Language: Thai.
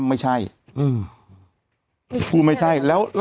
แต่หนูจะเอากับน้องเขามาแต่ว่า